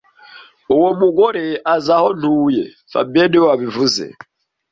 Uwo mugore azi aho ntuye fabien niwe wabivuze